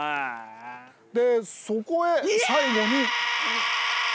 でそこへ最後に。